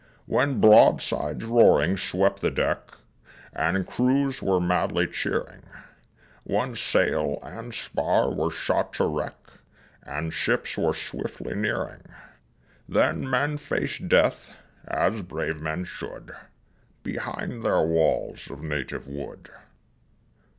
When broadsides roaring swept the deck, And crews were madly cheering; When sail and spar were shot to wreck, And ships were swiftly nearing; Then men faced death, as brave men should, Behind their walls of native wood.